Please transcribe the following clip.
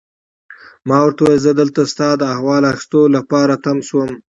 ما ورته وویل: زه دلته ستا د احوال اخیستو لپاره تم شوم.